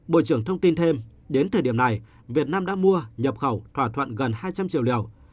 bộ trưởng thông tin thêm đến thời điểm này việt nam đã mua nhập khẩu thỏa thuận gần hai trăm linh triệu liều